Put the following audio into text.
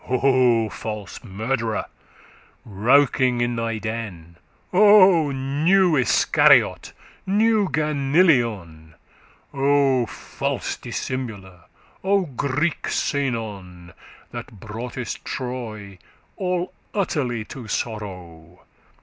O false murd'rer! Rouking* in thy den! *crouching, lurking O new Iscariot, new Ganilion! <24> O false dissimuler, O Greek Sinon,<25> That broughtest Troy all utterly to sorrow!